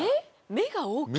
目が大きい？